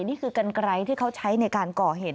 นี่คือกันไกลที่เขาใช้ในการก่อเหตุ